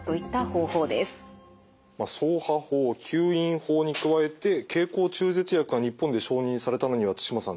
掻爬法吸引法に加えて経口中絶薬が日本で承認されたのには対馬さん